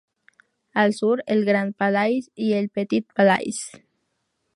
Al sur, el Grand Palais y el Petit Palais.